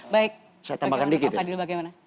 baik pak gwadil bagaimana